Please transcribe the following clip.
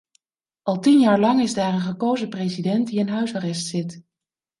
Al tien jaar lang is daar een gekozen president die in huisarrest zit.